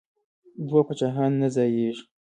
دوه پاچاهان نه ځاییږي.